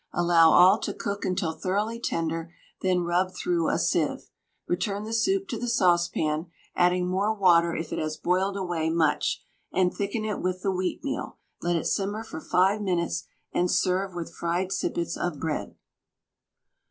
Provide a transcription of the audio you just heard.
Allow all to cook until thoroughly tender, then rub through a sieve. Return the soup to the saucepan (adding more water if it has boiled away much), and thicken it with the wheatmeal; let it simmer for 5 minutes, and serve with fried sippets of bread.